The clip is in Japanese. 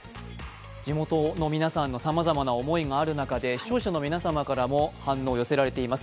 地元の皆さんのさまざまな思いがある中で視聴者の皆様からも反応が寄せられています。